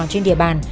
trên địa bàn